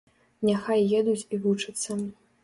Няхай едуць і вучацца.